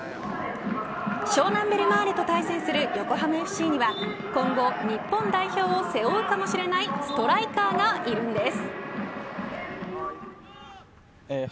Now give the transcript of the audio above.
湘南ベルマーレと対戦する横浜ＦＣには今後、日本代表を背負うかもしれないストライカーがいるんです。